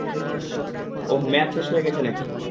ওহ, মেয়াদ শেষ হয়ে গেছে না-কি?